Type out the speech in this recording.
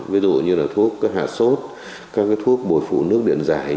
ví dụ như là thuốc hạ sốt các thuốc bồi phụ nước điện giải